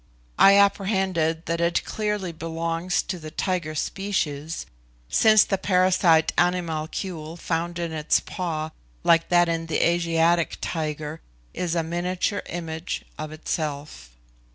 I apprehended that it clearly belongs to the tiger species, since the parasite animalcule found in its paw, like that in the Asiatic tiger, is a miniature image of itself.